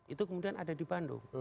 itu kemudian ada di bandung